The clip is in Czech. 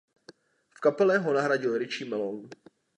V kapele ho nahradil Richie Malone.